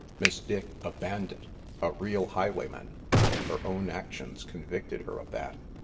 Miss Dick a bandit, a real highwayman! Her own actions convicted her of that.